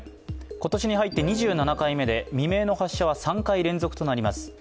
今年に入って２７回目で、未明の発射は３回連続となります。